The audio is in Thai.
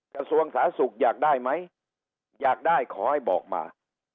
กระทรวงสาธารณสุขอยากได้ไหมอยากได้ขอให้บอกมา